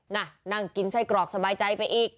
น่ะนั่งกินไส้กรอกสบายใจไปอีก